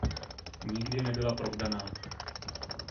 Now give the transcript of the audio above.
Nikdy nebyla provdaná.